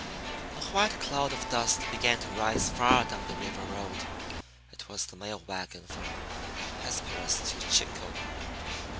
A white cloud of dust began to rise far down the river road. It was the mail wagon from Hesperus to Chico.